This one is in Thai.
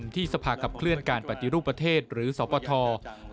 สภาขับเคลื่อนการปฏิรูปประเทศหรือสปท